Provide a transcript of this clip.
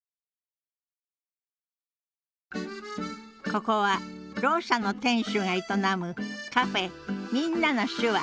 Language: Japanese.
ここはろう者の店主が営むカフェ「みんなの手話」